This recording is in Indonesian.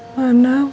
mana buku shalat mami